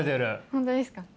本当ですか？